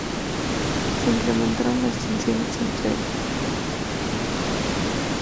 Se incrementaron las tensiones entre Dacko y Bokassa.